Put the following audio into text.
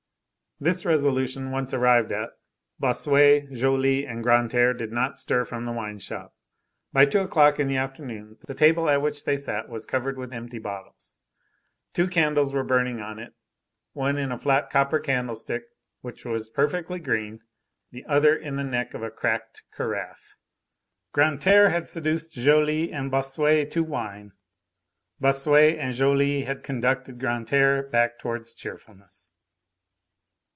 This resolution once arrived at, Bossuet, Joly, and Grantaire did not stir from the wine shop. By two o'clock in the afternoon, the table at which they sat was covered with empty bottles. Two candles were burning on it, one in a flat copper candlestick which was perfectly green, the other in the neck of a cracked carafe. Grantaire had seduced Joly and Bossuet to wine; Bossuet and Joly had conducted Grantaire back towards cheerfulness.